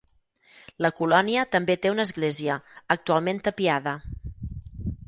La colònia també té una església, actualment tapiada.